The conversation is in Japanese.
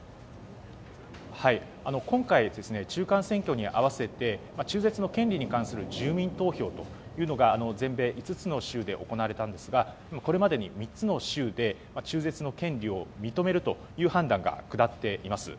今回、中絶の権利に合わせて中絶の権利に関する住民投票というのが全米５つの州で行われたんですがこれまでに３つの州で中絶の権利を認めるという判断が下っています。